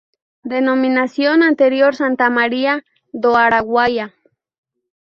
Denominación anterior Santa Maria do Araguaia.